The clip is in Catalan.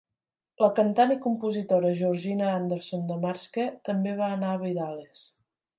La cantant i compositora Georgina Anderson de Marske, també va anar a Bydales.